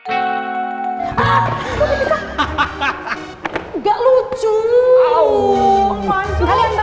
eh kalian dapet gak